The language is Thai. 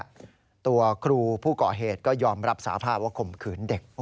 แต่ว่าคดีนี้ตัวครูผู้ก่อเหตุก็ยอมรับสาภาพว่าข่มขืนเด็ก